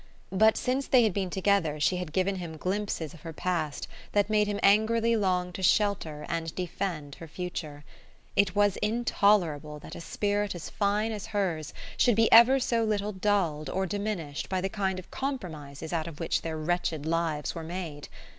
But since they had been together she had given him glimpses of her past that made him angrily long to shelter and defend her future. It was intolerable that a spirit as fine as hers should be ever so little dulled or diminished by the kind of compromises out of which their wretched lives were made.